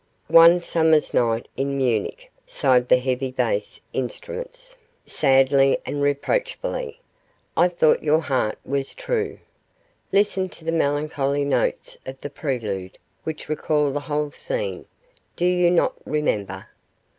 'One summer's night in Munich,' sighed the heavy bass instruments, sadly and reproachfully, 'I thought your heart was true!' Listen to the melancholy notes of the prelude which recall the whole scene do you not remember?